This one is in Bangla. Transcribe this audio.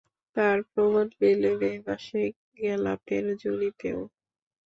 তার প্রমাণ মেলে মে মাসে গ্যালাপের জরিপেও।